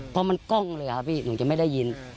เพราะมันกล้องเลยครับพี่หนูจะไม่ได้ยิน